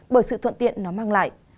bởi sự thuận tiện nó mang lại